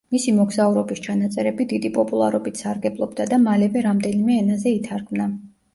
მისი მოგზაურობის ჩანაწერები დიდი პოპულარობით სარგებლობდა და მალევე რამდენიმე ენაზე ითარგმნა.